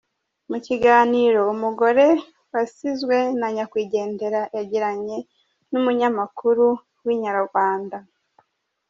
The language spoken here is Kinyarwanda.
Mu Kiganiro umugore wasizwe na nyakwigendera yagiranye n’umunyamakuru wa Inyarwanda.